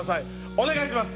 お願いします！